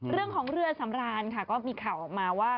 เรื่องของเรือสำรานค่ะก็มีข่าวออกมาว่า